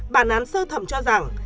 bản án sơ thẩm cho rằng